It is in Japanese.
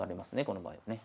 この場合はね。